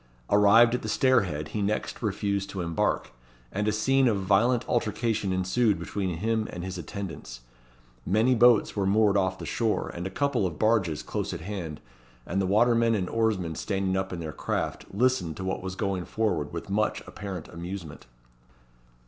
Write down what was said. Arrived at the stairhead, he next refused to embark, and a scene of violent altercation ensued between him and his attendants. Many boats were moored off the shore, with a couple of barges close at hand; and the watermen and oarsmen standing up in their craft, listened to what was going forward with much apparent amusement.